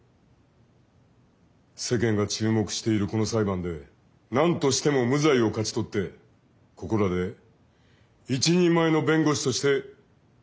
世間が注目しているこの裁判でなんとしても無罪を勝ち取ってここらで一人前の弁護士として名を上げてもらいたい。